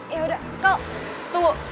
yaudah kal tunggu